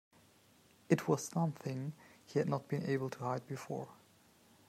It was something he had not been able to hide before.